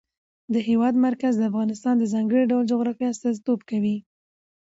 د هېواد مرکز د افغانستان د ځانګړي ډول جغرافیه استازیتوب کوي.